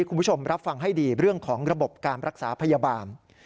คุณผู้ชมรับฟังให้ดีเรื่องของระบบการรักษาพยาบาล